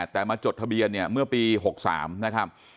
แต่มาจดทะเบียนเนี่ยเมื่อปี๖๓นะครับ